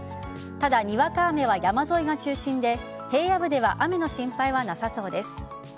ただ、にわか雨は山沿いが中心で平野部では雨の心配はなさそうです。